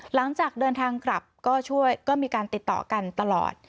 หลังจากเดินทางกลับก็ช่วยก็มีการติดต่อกันตลอด